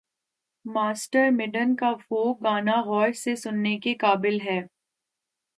Master Madan کا وہ گانا غور سے سننے کے قابل ہے۔